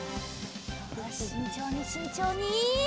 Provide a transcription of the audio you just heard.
よししんちょうにしんちょうに。